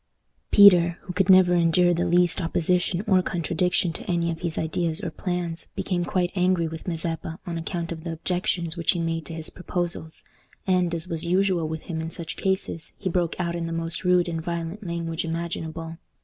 Peter, who never could endure the least opposition or contradiction to any of his ideas or plans, became quite angry with Mazeppa on account of the objections which he made to his proposals, and, as was usual with him in such cases, he broke out in the most rude and violent language imaginable.